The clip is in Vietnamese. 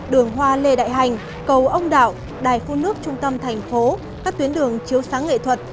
đường hoa lê đại hành cầu ông đạo đài phun nước trung tâm thành phố các tuyến đường chiếu sáng nghệ thuật